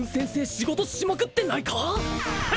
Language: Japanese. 仕事しまくってないか？